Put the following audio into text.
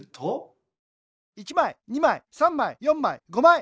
１まい２まい３まい４まい５まい６まい７まい。